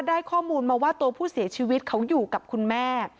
ได้ข้อมูลมาว่าตัวผู้เสียชีวิตเขาอยู่กับคุณแม่